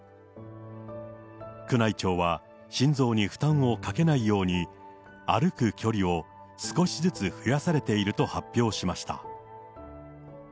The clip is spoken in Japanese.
宮内庁は、心臓に負担をかけないように、歩く距離を少しずつ増やされていると発表しました。